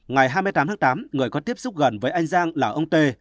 ngày hai mươi tám tháng tám người có tiếp xúc gần với anh giang là ông tê